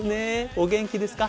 お元気ですか？